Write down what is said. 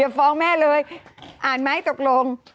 อย่าฟ้องแม่เลยอ่านไม่ให้ตกลง